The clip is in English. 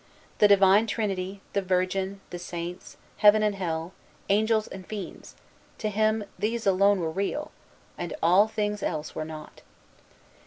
The Divine Trinity, the Virgin, the Saints, Heaven and Hell, Angels and Fiends, to him, these alone were real, and all things else were nought.